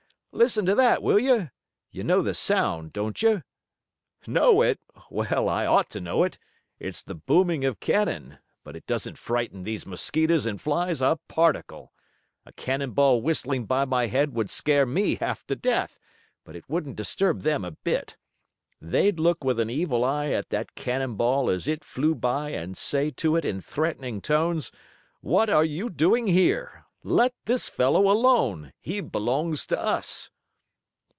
"Listen to that, will you! You know the sound, don't you?" "Know it! Well, I ought to know it. It's the booming of cannon, but it doesn't frighten these mosquitoes and flies a particle. A cannon ball whistling by my head would scare me half to death, but it wouldn't disturb them a bit. They'd look with an evil eye at that cannon ball as it flew by and say to it in threatening tones: 'What are you doing here? Let this fellow alone. He belongs to us.'"